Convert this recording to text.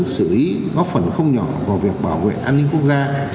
xử lý góp phần không nhỏ vào việc bảo vệ an ninh quốc gia